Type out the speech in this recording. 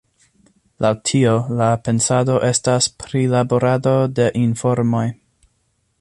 Laŭ tio la pensado estas prilaborado de informoj.